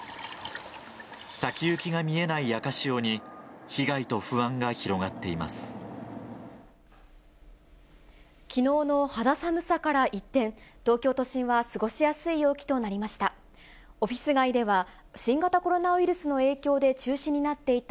先行きが見えない赤潮に、被害ときのうの肌寒さから一転、東京都心は過ごしやすい陽気となりました。